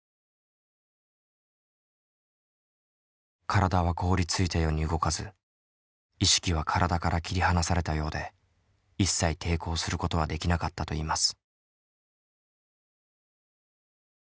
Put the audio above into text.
体は凍りついたように動かず意識は体から切り離されたようで一切抵抗することはできなかったといいます。